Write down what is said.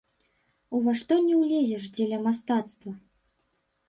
Ува што не ўлезеш дзеля мастацтва!